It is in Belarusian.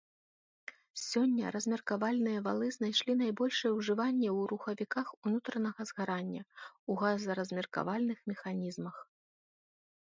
Сёння размеркавальныя валы знайшлі найбольшае ўжыванне ў рухавіках унутранага згарання ў газаразмеркавальных механізмах.